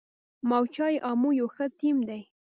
موج های امو یو ښه ټیم دی.